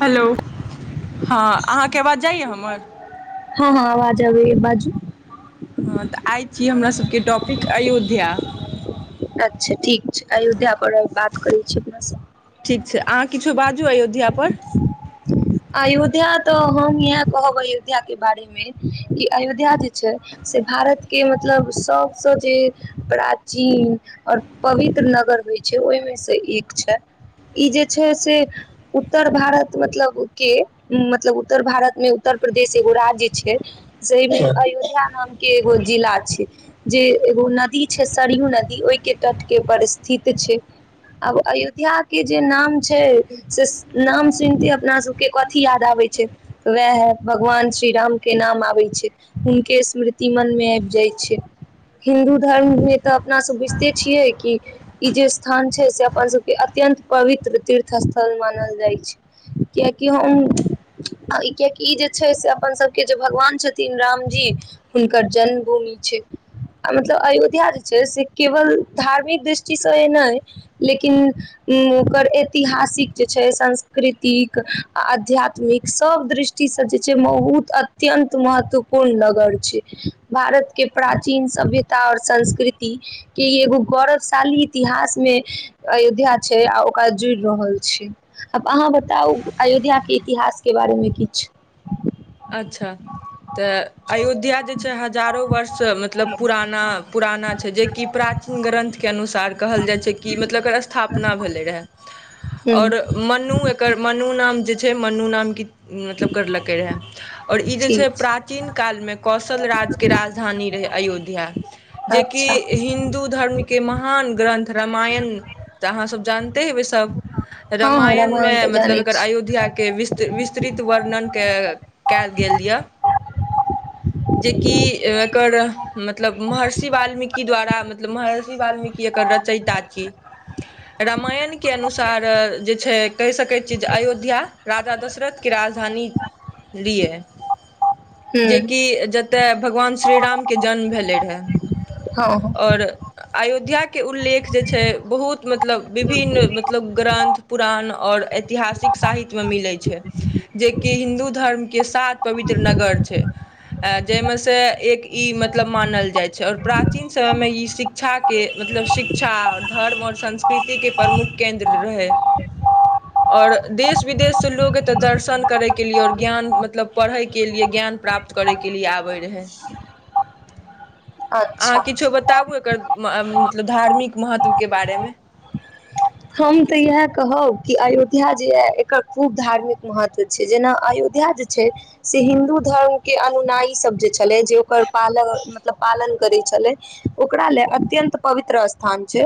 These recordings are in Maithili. हेलो हाँ अहाँ के अवाज जाय या हमर। जु। हाँ ते आय छी हमरा सबके टॉपिक अयोध्या। अच्छा ठीक छै, अयोध्या पर बात करै छी अपना सब। ठीक छै अहाँ किछु बाजु अयोध्या पर अयोध्या तऽ हम इएह कहब अयोध्या के बारे मे कि अयोध्या जे छै से भारत के मतलब सब स जे प्राचीन और पवित्र नगर होइ छै ओहि में से एक छै ई जे छै से उत्तर भारत मतलब के मतलब उत्तर भारत मे उत्तर प्रदेश एगो राज्य छै से [unintelligible] अयोध्या नामके एगो जिला छै जे एगो नदी छै सरयू नदी ओहि के तट के पर स्थित छै आब अयोध्याके जे नाम छै से नाम सुनते अपना सब के कथी याद आबै छै वैह भगवान श्री राम के नाम आबै छै हुनके स्मृति मन में ऐब जाय छै हिन्दू धर्म में तऽ अपना सब बुझते छियै कि, ई जे स्थान छै से अपन सब के अत्यंत पवित्र तीर्थ स्थल मान कैल जाइ छै कियाकि हम कियाकि ई जे छै से अपन सबके जे भगवान छथिन रामजी हुनकर जन्म भूमि छै आ मतलब अयोध्या जे छै से केवल धार्मिक दृष्टि सए नइ लेकिन ऊं ओकर ऐतिहासिक जे छै संस्कृतिक आ अध्यात्मिक सब दृष्टि से जे छै बहुत अत्यंत महत्वपूर्ण नगर छै। भारत के प्राचीन सभ्यता और संस्कृति के ई एगो गौरवशाली इतिहास मे अयोध्या छै आ ओकरा जुड़ रहल छै, अब अहाँ बताउ अयोध्या के इतिहास के बारे मे किछ। अच्छा ते अयोध्या जे छै हजारो वर्ष मतलब पुराना पुराना छै, जे कि प्राचीन ग्रन्थ के अनुसार कहल जाय छै कि मतलब एकर स्थापना भेलै रहै। हूँ और मन्नु एकर मन्नु नाम जे छै मन्नू नाम की मतलब करलकै रहए और ई जे ठीक छै प्राचीन काल मे कौशल राज्य के राजधानी रहै अयोध्या छै जे कि अच्छा हिन्दू धर्म के महान ग्रन्थ रामायण तऽ अहाँ सब जानते हेबै सब हँ हँ रामायण मे तऽ मतलब जानै एकर छी अयोध्या के विस्त विस्तृत वर्णन के कयल गेल य, जे कि एकर मतलब महर्षि वाल्मीकि द्वारा मतलब महर्षि वाल्मीकि एकर रचयिता छियै। रामायण के अनुसार जे छै कहि सकै छियै जे अयोध्या राजा दशरथ के राजधानी लिए जे हूँ कि जतय भगवान श्री राम के जन्म भेलै रहए, हो हो और अयोध्या के उल्लेख जे छै बहुत मतलब विभिन्न मतलब ग्रन्थ पुरान और ऐतिहासिक साहित्य मे मिलै छै जे कि हिन्दू धर्म के सात पवित्र नगर छै ऐऽ जइ मे से एक ई मतलब मानल जाइ छै और प्राचीन समय मे ई शिक्षा के मतलब शिक्षा धर्म और संस्कृति के प्रमुख केन्द्र रहै ओर देश विदेश से लोग एतऽ दर्शन करै के लिए और ज्ञान मतलब पढ़य के लिए ज्ञान प्राप्त करय के लिए आबै रहै। अहाँ अच्छा किछो बताबु [unintelligible] म मतलब धार्मिक महत्व के बारे मे। हम तऽ इएह कहब कि अयोध्या जे यए एकर खूब धार्मिक महत्व छै। जेना अयोध्या जे छै, से हिन्दू धर्म के अनुनायी सभ जे छलै जे ओकर पाल मतलब पालन करै छलै, ओकरा ले अत्यन्त पवित्र स्थान छै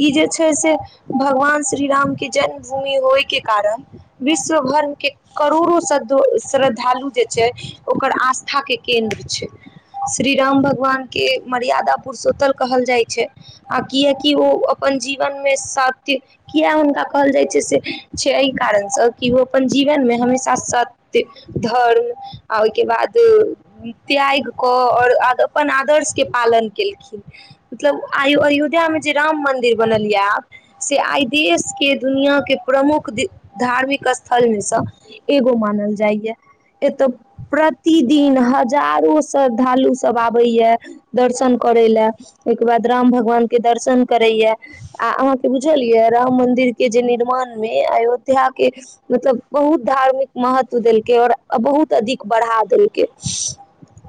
ई जे छै से भगवान श्रीराम के जन्मभूमि होइ के कारण विश्व भर के करोड़ो श्रद्धु श्रद्धालु जे छै, ओकर आस्थाके केन्द्र छै। श्रीराम भगवान के मर्यादा पुरुषोत्तल कहल जाइत छै आ किएकि ओ अपन जीवन मे सत त्य किया हुनका कहल जाइ छै से छै एहि कारण स कि ओ अपन जीवनमे हमेशा सत्य धर्म आ ओइके बाद, त्यैग कऽ औ आ अपन आदर्श के पालन केलखिन मतलब आयो अयोध्या मे जे राम मन्दिर बनल यए आब से आइ देश के दुनिया के प्रमुख दि धार्मिक स्थल मे स एगो मानल जाइए एतय प्रतिदिन हजारो श्रद्धालु सभ आबैए दर्शन करय लेल ओइके बाद राम भगवान के दर्शन करैए आ अहाँ बुझलियै राम मंदिर के जे निर्माण मे अयोध्या के मतलब बहुत धार्मिक महत्व देलकै और बहुत अधिक बढ़ा देलकै,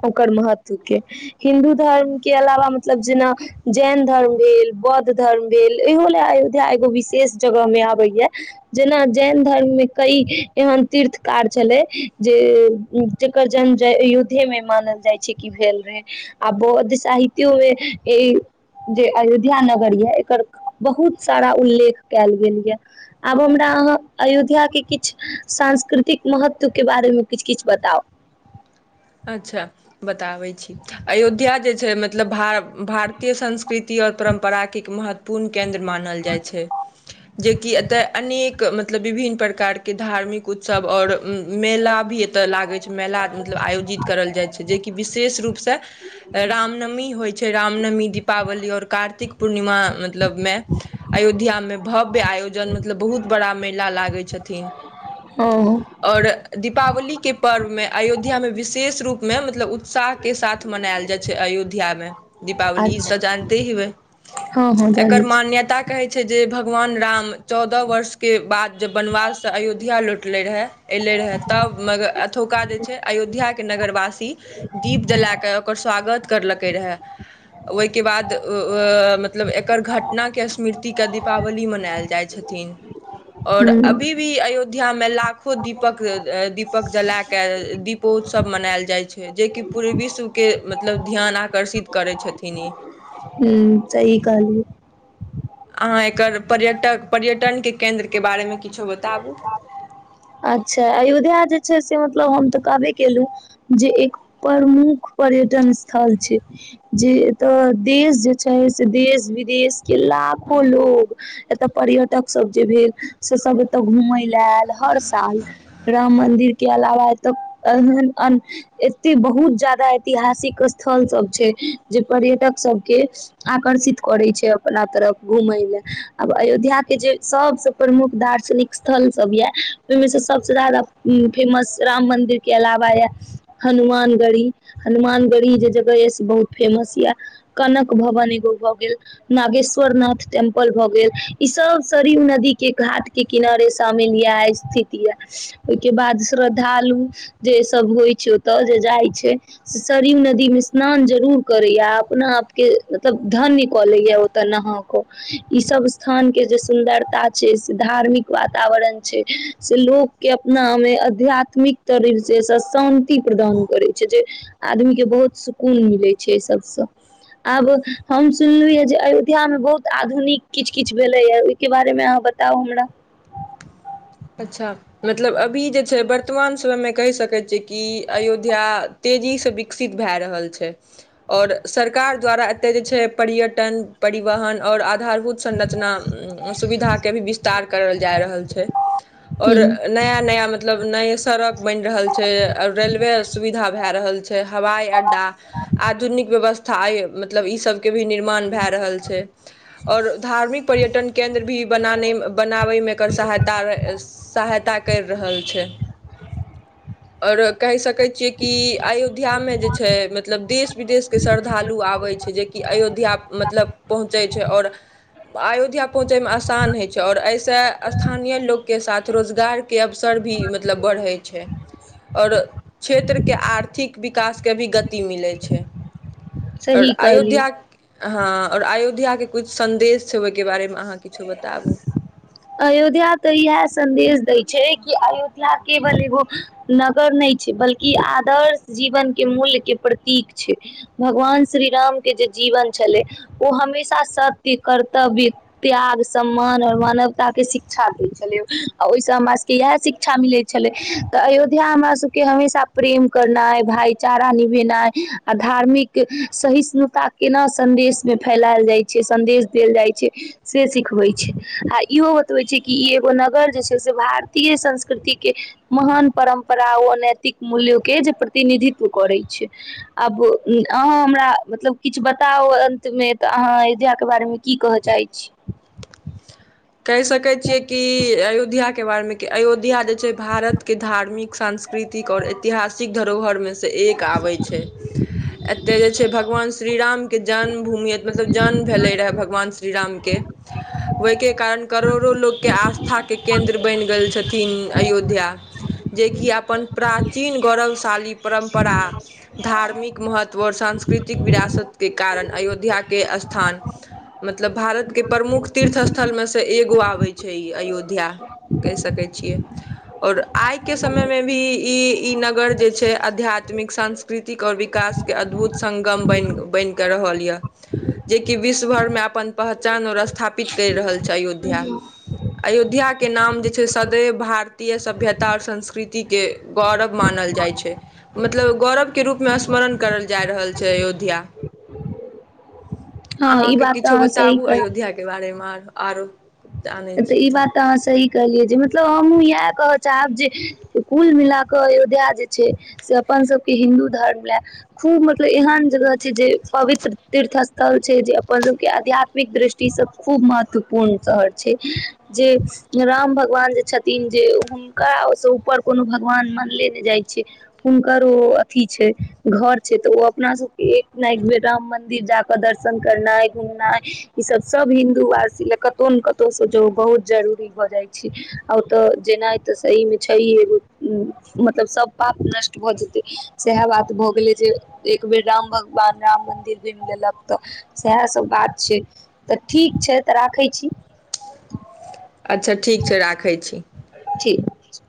ओकर महत्व के हिन्दू धर्म के अलावा मतलब जेना जैन धर्म भेल बौद्ध धर्म भेल इहो अयोध्या एगो विशेष जगह में आबै यए जेना जैन धर्म मे कई एहन तीर्थकार छलै जे, जेकर जन्म अयोध्ये मे मानल जाइ छै कि भेल रहे आ बौद्ध साहित्यो मे ई जे अयोध्या नगर यए एकर बहुत सारा उल्लेख कैल गेल यए आब हमरा अहाँ अयोध्या के किछ सांस्कृतिक महत्व के बारे मे किछ किछ बताउ। अच्छा। बताबै छी। अयोध्या जे छै मत मतलब भार भारतीय संस्कृति और परम्पराकिक महत्व पुन केन्द्र मानल जाइ छै, जेकि एत्त अनेक क मतलब विभिन्न प्रकार के धार्मिक उत्सव और उम्म मेला भी एता लागे छै, मेला मतलब आयोजित [unintelligible] जाय छै, जे कि विशेष रूप से ए रामनवमी होय छै, रामनवमी दीपावली और कार्तिक पूर्णिमा मतलब मे अयोध्या मे भव्य आयोजन मतलब बहुत बड़ा मेला लागै छथिन। हँ और दी पावली के पर्व मे अयोध्या मे विशेष रूप मे मतलब उत्साह के साथ मनाएल जाय छै अयोध्या मे। दीपावली अच्छा तऽ जानते हेबै, हँ हँ जानै एकर छी मान्यता कहे छै जे भगवान राम चौदअ वर्ष के बाद जब वनवास से अयोध्या लौटले रहै, एलै रहै तब मगर अथोका जे छै अयोध्या के नगर वासी दीप जला के ओकर स्वागत करलकै रेहाए, ओय के बाद उ व मतलब एकर घटना के स्मृति के दीपावली मनाएल जाय छथिन। और हूँ अभी भी अयो ध्या मे लाखो दीपक, ए दीपक जला के दीपोत सव मनाएल जाय छै, जे कि पूरे विश्व के मतलब ध्यान आकर्षित करै छथिन ई। ह्म्म सही कहलिये। अहाँ एकर पर्यटक, पर्यटन के केन्द्र के बारे मे किछो बताबू। अच्छा अयोध्या जे छै से मतलब हम ते कहबै केलु जे एक प्रमुख पर्यटन स्थल छै, जे ते देश जे छै से देश-विदेश के लाखो लोग एता पर्यटक सब जे भेल से सब एता घूमे ले आएल। हर साल राम मंदिर के अलावा एता एहन ए एते बहुत जादा ऐतिहासिक स्थल सब छै जे पर्यटक सबके आकर्षित करे छै अपना तरफ घूमेलै, आब अयोध्या के जे सबसे प्रमुख दार्शनिक स्थल सब या ओय मे से सबसे जादा उम्म फेमस राम मंदिर के अलावा या हनुमान गढ़ी, हनुमान गढ़ी जे जगह या से बहुत फेमस या, कनक भवन एगो भऽ गेल, नागेश्वर नाथ टेम्पल भऽ गेल, ई सब सरयू नदी के घाट के किनारे शामिल या, ए सिती या, ओय के बाद श्रद्धालु जे सब होय छै, ओताय जे जाय छै से सरयू नदी मे स्नान जरूर करैया, अपना आप के मतलब धन्य कऽ लैया, ओता नहा को, ई सब स्थान के जे सुन्दरता छै से धार्मिक वातावरण छै। से लोक के अपना मे अध्यात्मिक तरी से स शान्ति प्रदान करै छै, जे आदमी के बहुत सुकून मिलै छै ए सबसे, आब हम सुनलिये जे अयोध्या मे बहुत आधुनिक किछ-किछ भेलै या, ओय के बारे मे अहाँ बताउ हमरा। अच्छा मतलब अभी जे छै वर्तमान समय में कह सकै छै कि अयोध्या तेजी से विकसित भाए रहल छै और सरकार द्वारा एता जे छै पर्यटन परिवहन और आधारभूत संरचना सुविधा के भी विस्तार करल जाय रहल छै। और हूँ नया-नया मतलब नये से सड़क बैन रहल छै और रेलवे सुविधा भाय रहल छै। हवाई अड्डा आधुनिक व्यवस था मतलब ई सब के भी निर्माण भाए रहल छै और धार्मिक पर्यटन केन्द्र भी बनाने, बनाबै मे कर सहा ता, ए सहायता कैर रहल छै और कैह सकै छिये कि अयोध्या मे जे छै मतलब देश-विदेश के श्रद्धालु आबै छै, जे कि अयोध्या मतलब पहुँचै छै और अयोध्या पहुँचै मे असान हय छै और ए से के लोक के साथ रोजगार के अवसर भी मतलब बढ़ै छै और क्षेत्र के आर्थिक विकास के भी गति मिलै छै। और सही कहलियै अयोध्या हाँ और अयोध्या कुछ संदेश छै ओय के बारे मे। अहाँ किछो बताबु। अयोध्या त इहाए सन्देश दै छै कि अयोध्या केवल एगो नगर नै छै बल्कि आदर्श जीवन के मूल्य के प्रतीक छै, भगवान श्री राम के जे जीवन छलै, उ हमेशा सत्य, कर्तव्य, त्याग, सम्मान और मानव ता के शिक्षा दै छलै अ ओय से हमरा सबके इहाए शिक्षा मिलै छलै, क अयोध्या हमरा सबके हमेशा प्रेम करनाय, भाई चारा निभेनाय आ धार्मिक सहिष्णुता केना सन्देश मे फैलाएल जाय छै, सन्देश देल जाय छै से सिखबै छै, आ ई इहो बतबै छै कि ई एगो नगर जे छै से भारतीय संस्कृति के महान परम्परा व नैतिक मूल्य के जे प्रतिनिधित्व करे छै, आब उम्म अहाँ हमरा मतलब किछ बताओ अन्त मे तऽ अहाँ अयोध्या के बारे मे की कहे चाहे छी। कैह सकै छियै कि अयोध्या के बारे मे अयोध्या जे छै भारत के धार्मिक, सांस्कृतिक और ऐतिहासिक धरोहर मे से एक आबै छै। एते जे छै भगवान श्रीराम के जन्म भूमि मतलब जन्म भेले रहै, भ गवान श्रीराम के ओय के कारण करोड़ो लोक के आस्था के केन्द्र बैन गेल छथिन, अयोध्या जे कि अपन प्राचीन गौरवशाली परम्परा, धार्मिक महत्व और सांस्कृतिक विरासत के कारण अयोध्या के स्थान मतलब भारत के प्रमुख तीर्थ अस थल मे से एगो आबै छै ई अयोध्या कैह सकै छियै और आय के समय मे भी ई ई नगर जे छै आध्यात्मिक सांस्कृतिक और विकास के अद्भुत सगम बैन बैन के रहल या, जे कि विश्व भर में अपन पहचान और स्थापित कैर रहल छै अयोध्या, अयोध्या के नाम जे छै सदैव भारतीय सभ्यता और संस्कृति के गौरव मानल जाय छै, मतलब गौरव के रूप मे स्मरण करल जाय रहल छै अयोध्या। हँ अहाँ ई के बात तऽ किछो अहाँ सही बताबू कह अयोध्या के बारे मे। [unintelligible] आरो जानै तऽ छियै ई बात ते अहाँ सही कहलिये जे मतलब हमु इहाए कहे चाहब जे कुल मिला क अयोध्या जे छै से अपन सबके हिन्दू धर्म ले खूब मतलब एहन जगह छै, जे पवित्र तीर्थ स्थल छै जे अपन सब के आध्यात्मिक दृष्टि से खूब महत्वपूर्ण शहर छै। जे राम भगवान जे छथिन जे हुनका ओय से ऊपर कुनू भगवान मानले नै जाय छै, हुनकर ओ अथी छै घर छै तऽ उ अपना सबके एक ने एक बेर राम मंदिर जाके दर्शन करनाय, घुमनाय ई सब सब हिन्दुवासी ले कतो ने क तो से जौ बहुत जरूरी भऽ जाय छै, आ ओता जेनाए ते सही मे छै, एगो उम्म मतलब सब पाप नष्ट भऽ जेते सेहाए बात भऽ गेलै, जे एक बेर राम भगवान राम मन्दिर घुम लेलक तऽ सेहाए सब बात छै, तऽ ठीक छै ते राखै छी। अच्छा ठीक छै, राखै छी। ठीक छै।